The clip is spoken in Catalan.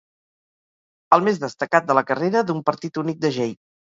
El més destacat de la carrera d'un partit únic de Jay.